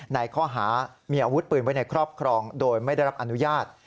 ในข้อหามีอาวุธปืนไว้ในครอบครองโดยไม่ได้รับอนุญาต